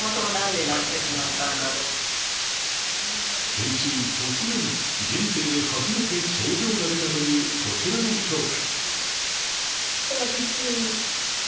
先週突然、人生で初めて症状が出たというこちらの兄弟。